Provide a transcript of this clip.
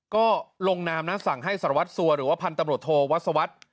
ก็ลงนามนะสั่งให้สารวัตรสัวหรือว่าพันธุ์ตำรวจโทวัศวรรษ